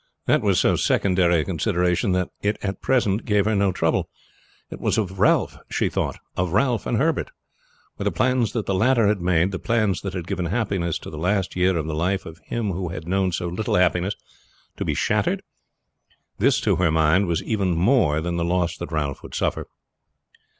That was so secondary a consideration that it at present gave her no trouble. It was of Ralph she thought. Of Ralph and Herbert. Were the plans that the latter had made the plans that had given happiness to the last year of the life of him who had known so little happiness to be shattered? This to her mind was even more than the loss that Ralph would suffer.